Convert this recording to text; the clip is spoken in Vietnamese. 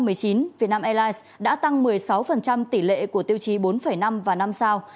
năm hai nghìn một mươi chín vietnam airlines đã tăng một mươi sáu tỉ lệ của tiêu chí bốn năm và năm sao